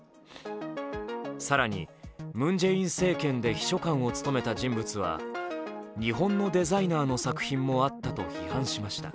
更にムン・ジェイン政権で秘書官を務めた人物は日本のデザイナーの作品もあったと批判しました。